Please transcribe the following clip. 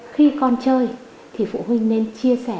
khi con chơi thì phụ huynh nên chia sẻ